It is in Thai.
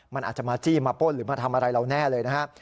มันอาจจะมาจี้มาป้นหรือมาทำอะไรเราแน่เลยนะครับ